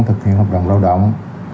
thực hiện hợp đoàn lao động